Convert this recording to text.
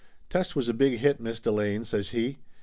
"Test was a big hit, Miss Delane," says he.